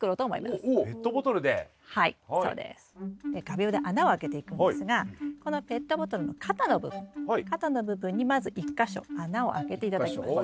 画びょうで穴をあけていくんですがこのペットボトルの肩の部分肩の部分にまず１か所穴をあけて頂きます。